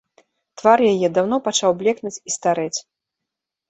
Твар яе даўно пачаў блекнуць і старэць.